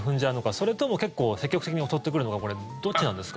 それとも積極的に襲ってくるのかどっちなんですか？